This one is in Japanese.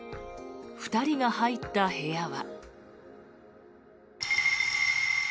２人が入った部屋は。